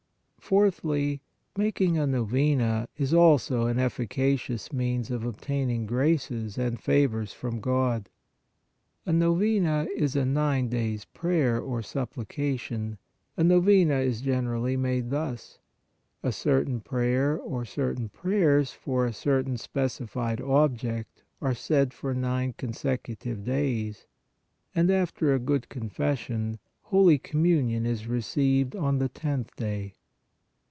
Fourthly, making a Novena is also an efficacious means of obtaining graces and favors from God. A Novena is a nine days prayer or supplication. A Novena is generally made thus : A certain prayer or certain prayers for a certain specified object are said for nine consecutive days and, after a good confession, holy Communion is received on the tenth day.